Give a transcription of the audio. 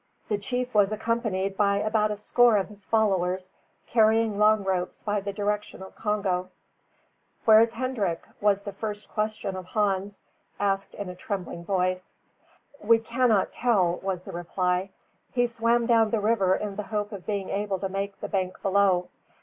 The chief was accompanied by about a score of his followers, carrying long ropes by the direction of Congo. "Where is Hendrik?" was the first question of Hans, asked in a trembling voice. "We cannot tell," was the reply. "He swam down the river in the hope of being able to make the bank below.